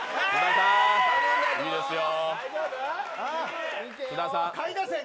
いいですよ。